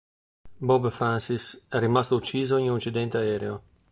Bob Francis è rimasto ucciso in un incidente aereo.